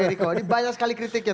ini banyak sekali kritik ya